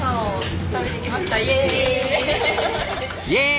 イエーイ！